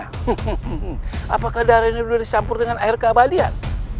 hehehe apakah darah ini sudah disampur dengan air keabadian